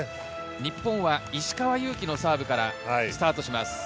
日本は石川祐希のサーブからスタートします。